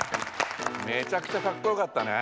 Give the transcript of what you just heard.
めちゃくちゃかっこよかったね！